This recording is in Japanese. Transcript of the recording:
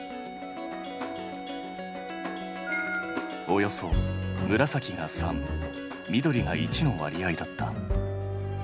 およそ紫が３緑が１の割合だった。